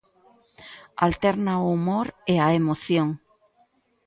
Alterna o humor e a emoción.